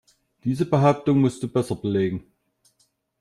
Diese Behauptung musst du besser belegen.